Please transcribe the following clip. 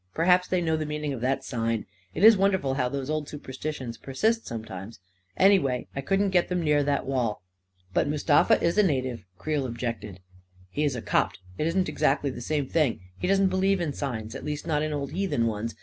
Perhaps they know the meaning of that sign — it is wonderful how those old superstitions persist sometimes 1 Anyway, I couldn't get them near that wall." " But Mustafa is a native," Creel objected 298 A KING IN BABYLON 44 He's a Copt — it isn't exactly the same thing. He doesn't believe in signs — at least not in old heathen ones.